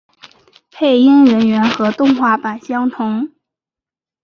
配音人员和动画版相同。